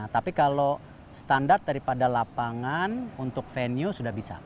tapi kalau standar daripada lapangan untuk venue sudah bisa